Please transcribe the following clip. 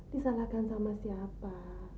disalahkan sama siapa